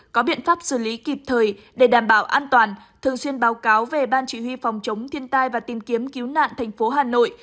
có biện pháp xử lý kịp thời để đảm bảo an toàn thường xuyên báo cáo về ban chỉ huy phòng chống thiên tai và tìm kiếm cứu nạn thành phố hà nội